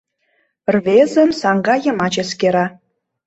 Рвезым саҥга йымач эскера.